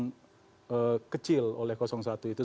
karena itu lebih kecil oleh satu itu